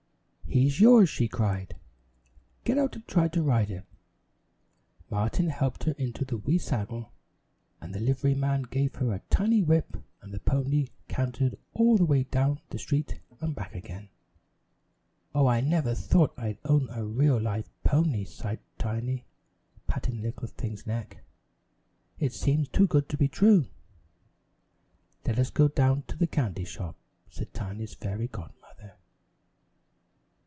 "He's yours," she cried. "Get out and try to ride him." Martin helped her into the wee saddle, the liveryman gave her a tiny whip and the pony cantered all the way down the street and back again. "Oh, I never thought I'd own a real live pony," sighed Tiny, patting the little thing's neck. "It seems too good to be true." "Let us go down to the candy shop," said Tiny's fairy godmother.